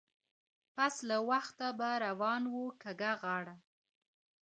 پس له وخته به روان وو كږه غاړه